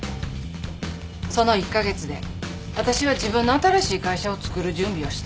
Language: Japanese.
その１カ月で私は自分の新しい会社をつくる準備をした。